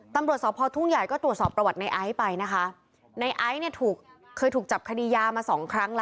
ตำรวจสอบพอทุ่งใหญ่ก็ตรวจสอบประวัติในไอซ์ไปนะคะในไอซ์เนี่ยถูกเคยถูกจับคดียามาสองครั้งแล้ว